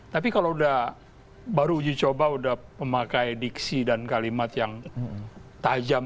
tapi kalau udah baru uji coba udah memakai diksi dan kalimat yang tajam